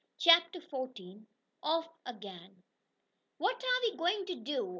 CHAPTER XIV OFF AGAIN "What are we going to do?"